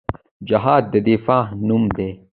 جهاد د دفاع نوم دی